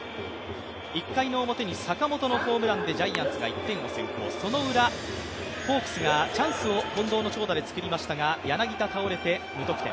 １回の表に坂本のホームランでジャイアンツが１点を先行そのウラ、ホークスがチャンスを近藤の長打でつくりましたが柳田倒れて無得点。